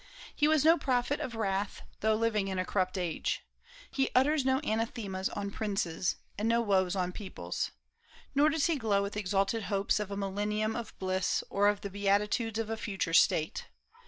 He was no prophet of wrath, though living in a corrupt age. He utters no anathemas on princes, and no woes on peoples. Nor does he glow with exalted hopes of a millennium of bliss, or of the beatitudes of a future state.